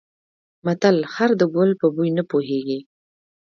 متل: خر د ګل په بوی نه پوهېږي.